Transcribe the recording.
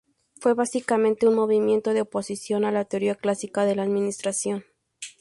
Fue básicamente un movimiento de oposición a la teoría clásica de la administración.